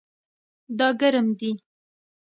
دا ګرم دی